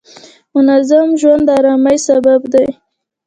منظم ژوند د آرامۍ سبب دی.